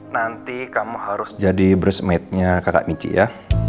nanti kamu harus jadi bridesmaidnya kakak mici ya